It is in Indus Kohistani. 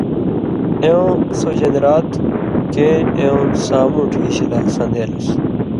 اېوں سو ژن٘دیۡرا تھُو کېں اېوں سامُوٹ ہیشی لا سن٘دېلس؛